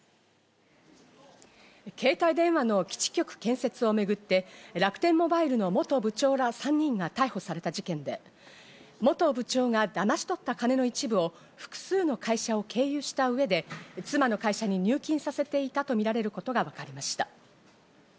携帯電話の基地局建設をめぐって楽天モバイルの元部長ら３人が逮捕された事件で、元部長がだまし取った金の一部を複数の会社を経由した上で妻の会社に入金させていたとみられることがわかりました。